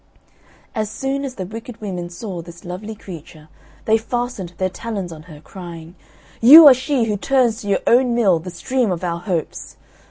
As soon as the wicked women saw this lovely creature they fastened their talons on her, crying, "You are she who turns to your own mill the stream of our hopes!